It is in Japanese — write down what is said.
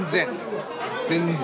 全然。